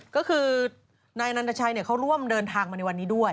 ก็คือนายนันตชัยเขาร่วมเดินทางมาในวันนี้ด้วย